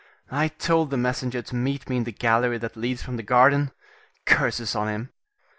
I told the messenger to meet me in the gallery that leads from the garden. Curses on him!